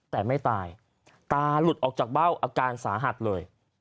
แต่ไม่ตายตาหลุดออกจากเบ้าอาการสาหัสเลย